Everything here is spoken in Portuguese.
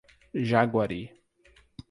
Jaguari